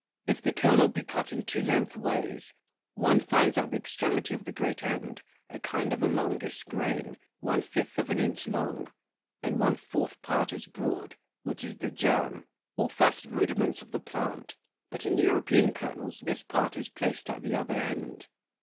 If the Kernel be cut in two length ways, one finds at the Extremity of the great end, a kind of a longish [m]Grain, one fifth of an Inch long, and one fourth Part as broad, which is the Germ, or first Rudiments of the Plant; but in European Kernels this Part is placed at the other end.